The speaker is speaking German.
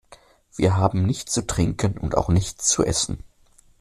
Wir haben nichts zu trinken und auch nichts zu essen.